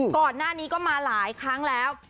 ก่อนหน้านี้ก็มาหลายครั้งแล้ว